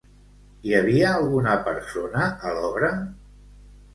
Hi havia alguna persona a l'obra?